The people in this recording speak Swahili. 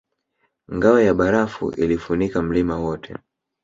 Ngao ya barafu ilifunika mlima wote